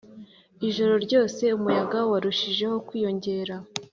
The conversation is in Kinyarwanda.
ijoro ryose umuyaga warushijeho kwiyongera